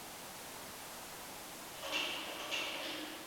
帕尔梅兰蒂是巴西托坎廷斯州的一个市镇。